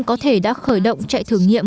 có thể đã khởi động chạy thử nghiệm